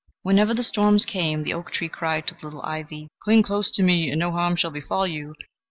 Whenever the storms came, the oak tree cried to the little ivy: "Cling close to me, and no harm shall befall you!